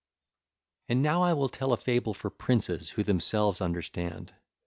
202 211) And now I will tell a fable for princes who themselves understand.